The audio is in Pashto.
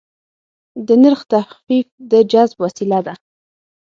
د نرخ تخفیف د جذب وسیله ده.